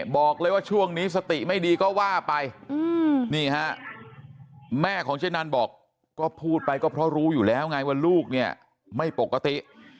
บอกเลยว่าช่วงนี้สติไม่ดีก็ว่าไปนี่ฮะแม่ของเจ๊นันบอกก็พูดไปก็เพราะรู้อยู่แล้วไงว่าลูกเนี่ยไม่ปกติ